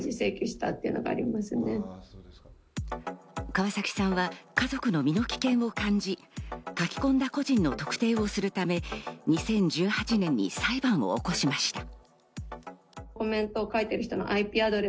川崎さんは家族の身の危険を感じ、書き込んだ個人の特定をするため、２０１８年に裁判を起こしました。